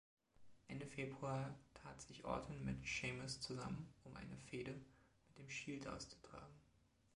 Ende Februar tat sich Orton mit Sheamus zusammen, um eine Fehde mit dem Shield auszutragen.